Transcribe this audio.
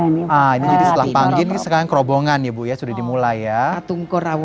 nah ini jadi setelah panggil ini sekarang kerobongan ya bu ya sudah dimulai ya